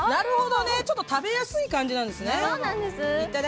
ちょっと食べやすい感じなんですね。